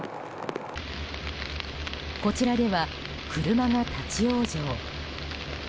こちらでは車が立ち往生。